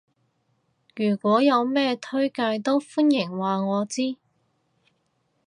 如果有咩推介都歡迎話我知